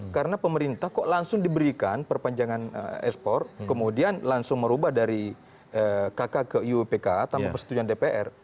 karena pemerintah kok langsung diberikan perpanjangan ekspor kemudian langsung merubah dari kk ke uupk tanpa persetujuan dpr